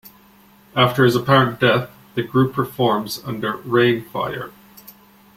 After his apparent death, the group reforms under Reignfire.